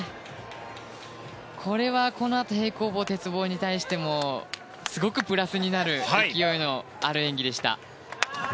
これは、このあと平行棒、鉄棒に対してもすごくプラスになる勢いのある演技でした。